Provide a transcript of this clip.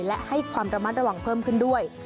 และให้ความระมัดระวังเพิ่มขึ้นด้วย